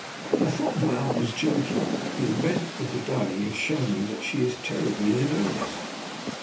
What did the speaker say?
"I thought my aunt was joking. The event of to day has shown me that she is terribly in earnest.